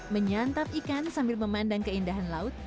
menyantap ikan sambil memandang keindahan laut